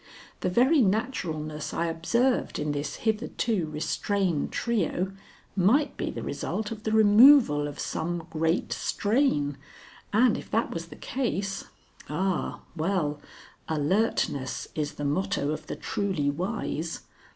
The very naturalness I observed in this hitherto restrained trio might be the result of the removal of some great strain, and if that was the case Ah, well, alertness is the motto of the truly wise.